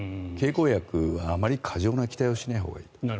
経口薬はあまり過剰な期待をしないほうがいい。